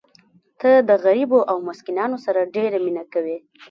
ته د غریبو او مسکینانو سره ډېره مینه کوې.